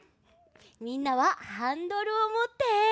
みんなはハンドルをもって！